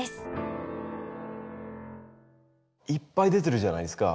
いっぱい出てるじゃないですか。